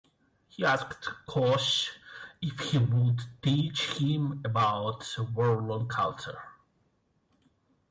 He asked Kosh if he would teach him about Vorlon culture.